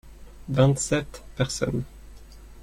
vingt sept personnes.